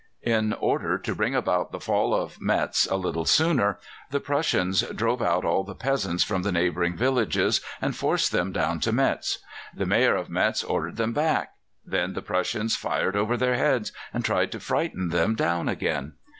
In order to bring about the fall of Metz a little sooner, the Prussians drove out all the peasants from the neighbouring villages, and forced them down to Metz. The Mayor of Metz ordered them back; then the Prussians fired over their heads, and tried to frighten them down again.